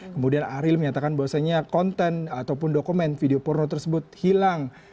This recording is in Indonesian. kemudian ariel menyatakan bahwasannya konten ataupun dokumen video porno tersebut hilang